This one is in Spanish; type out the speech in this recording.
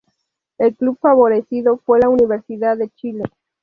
El club favorecido fue la Universidad de Chile.